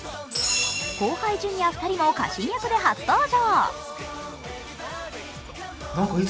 後輩Ｊｒ．２人も家臣役で初登場。